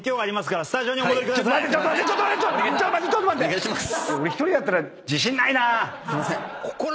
お願いします。